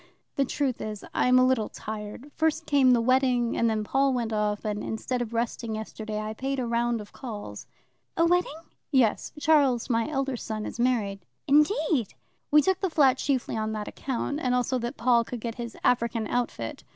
"The truth is, I am a little tired. First came the wedding, and then Paul went off, and, instead of resting yesterday, I paid a round of calls." "A wedding?" "Yes; Charles, my elder son, is married." "Indeed!" "We took the flat chiefly on that account, and also that Paul could get his African outfit.